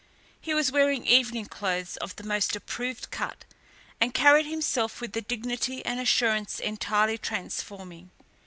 He was wearing evening clothes of the most approved cut and carried himself with a dignity and assurance entirely transforming.